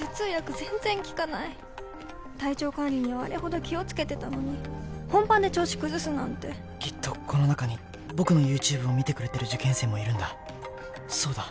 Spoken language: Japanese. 全然効かない体調管理にはあれほど気をつけてたのに本番で調子崩すなんてきっとこの中に僕のＹｏｕＴｕｂｅを見てくれてる受験生もいるんだそうだ